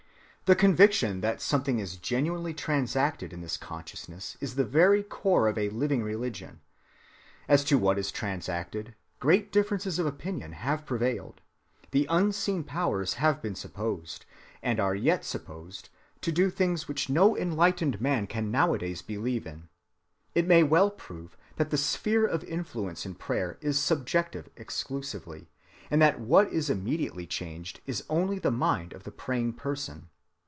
The conviction that something is genuinely transacted in this consciousness is the very core of living religion. As to what is transacted, great differences of opinion have prevailed. The unseen powers have been supposed, and are yet supposed, to do things which no enlightened man can nowadays believe in. It may well prove that the sphere of influence in prayer is subjective exclusively, and that what is immediately changed is only the mind of the praying person.